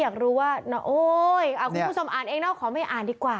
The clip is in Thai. อยากรู้ว่านะโอ๊ยคุณผู้ชมอ่านเองเนาะขอไม่อ่านดีกว่า